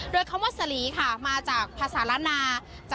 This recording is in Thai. ด้วยคำว่าสลีค่ะมาจากภาษาละนา